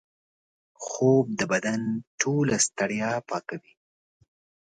خوب د بدن ټوله ستړیا پاکوي